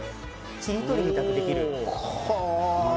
ちりとりみたくできる。